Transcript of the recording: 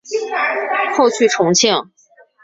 后去重庆。